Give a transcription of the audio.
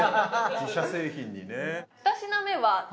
自社製品にね